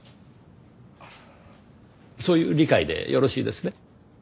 そういう理解でよろしいですね？